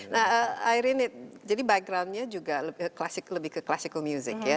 nah air ini jadi backgroundnya juga lebih ke classical music ya